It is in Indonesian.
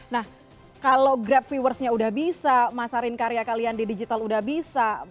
nah kalau grab viewersnya udah bisa masarin karya kalian di digital udah bisa